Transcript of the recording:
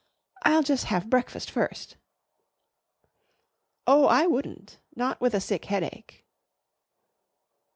"I'll jus' have breakfast first." "Oh, I wouldn't. Not with a sick headache."